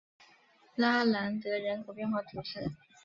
拉兰德人口变化图示